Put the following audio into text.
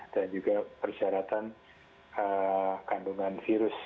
dan juga persyaratan kandungan virus